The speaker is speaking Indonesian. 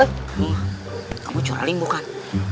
nih kamu curaling bukan